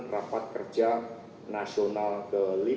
rapat kerja nasional ke lima